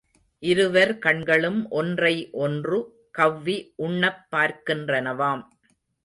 இருவர் கண்களும் ஒன்றை ஒன்று கவ்வி உண்ணப் பார்க்கின்றனவாம்.